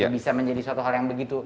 bisa menjadi suatu hal yang begitu